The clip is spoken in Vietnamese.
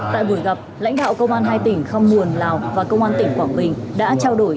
tại buổi gặp lãnh đạo công an hai tỉnh khăm muồn lào và công an tỉnh quảng bình đã trao đổi